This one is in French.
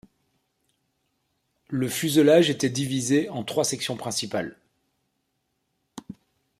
Le fuselage était divisé en trois sections principales.